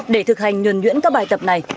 để thực hành nhuần nhuyễn các bài tập này